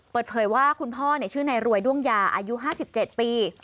เปิดเผยว่าคุณพ่อชื่อนายรวยด้วงยาอายุ๕๗ปี